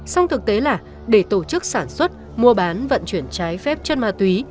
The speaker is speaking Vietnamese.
xong thực tế là để tổ chức sản xuất mua bán vận chuyển trái phép chân ma túy